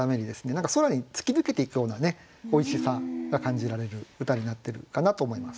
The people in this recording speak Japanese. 何か空に突き抜けていくようなおいしさが感じられる歌になってるかなと思います。